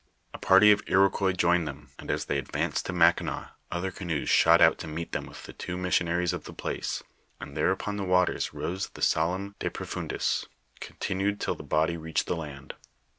A party of Iroquois joined them, and as they advanc'>d to Mackinaw, other canoes shot out to meet them with the two missionaries of the place, and there upon the waters rose the solemn De Profundis, contin' i till the body reached the land.